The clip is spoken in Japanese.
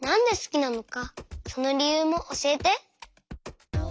そのりゆうもおしえて。